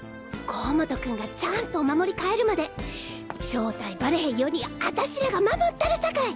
光本君がちゃんとお守り買えるまで正体バレへんようにアタシらが守ったるさかい！